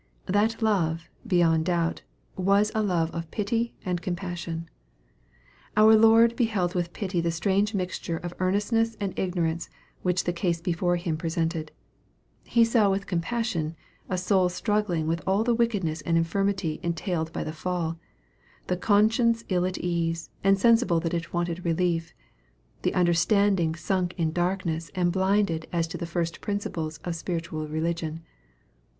That love, beyond doubt, was a love of pity and compassion. Our Lord beheld with pity the strange mixture of earnestness and ignorance which the case be fore Him presented. He saw with compassion a soul struggling with all the weakness and infirmity entailed by the fall the conscience ill at ease, and sensible that it wanted relief the understanding sunk in darkness and blinded as to the first principles of spiritual religion.